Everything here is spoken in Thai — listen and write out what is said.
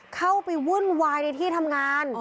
เข้าไปวุ่นวายในที่ทำงาน